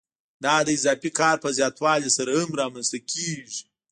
دا د اضافي کار په زیاتوالي سره هم رامنځته کېږي